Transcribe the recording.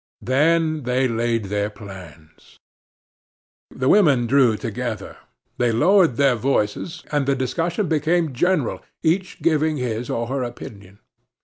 Then they laid their plans. The women drew together; they lowered their voices, and the discussion became general, each giving his or her opinion.